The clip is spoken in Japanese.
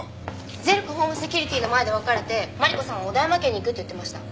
ゼルクホームセキュリティの前で別れてマリコさんは小田山家に行くって言ってました。